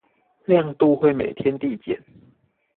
亮度會每天遞減